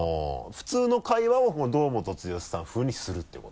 普通の会話を堂本剛さん風にするっていうこと？